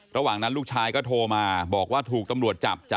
ระหว่างนั้นลูกชายก็โทรมาบอกว่าถูกตำรวจจับ